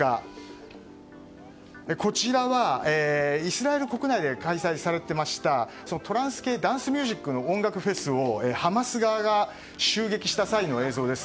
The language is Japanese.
こちらはイスラエル国内で開催されていたトランス系ダンスミュージックの音楽フェスをハマス側が襲撃した際の映像です。